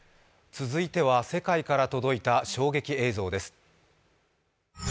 続いては世界から届いた衝撃映像です。